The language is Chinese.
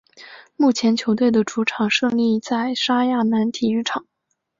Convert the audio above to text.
目前球队的主场设立在莎亚南体育场。